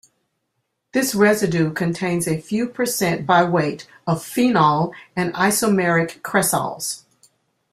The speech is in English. This residue contains a few percent by weight of phenol and isomeric cresols.